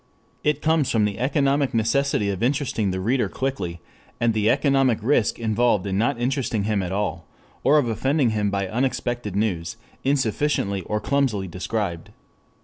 It comes from the economic necessity of interesting the reader quickly, and the economic risk involved in not interesting him at all, or of offending him by unexpected news insufficiently or clumsily described.